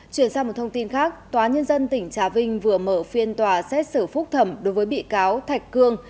chuyển sang một thông tin khác tòa nhân dân tỉnh trà vinh vừa mở phiên tòa xét xử phúc thẩm đối với bị cáo thạch cương